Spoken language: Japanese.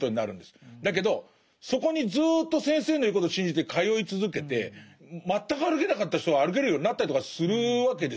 だけどそこにずっと先生の言うことを信じて通い続けて全く歩けなかった人が歩けるようになったりとかするわけですよ。